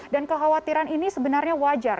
dan kekhawatiran ini sebenarnya wajar